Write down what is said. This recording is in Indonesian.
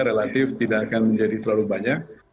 relatif tidak akan menjadi terlalu banyak